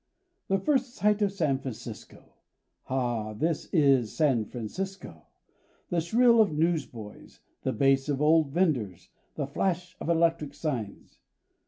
The first sight of San Francisco. "Ah, this is San Francisco!" The shrill of newsboys, the bass of older venders, the flash of electric signs.